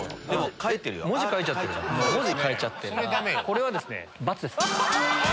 これはですねバツです。